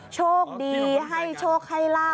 โชคดีให้โชคให้ลาบ